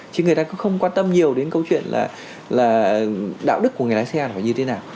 chứ người ta cũng không quan tâm nhiều đến câu chuyện là đạo đức của người lấy xe là như thế nào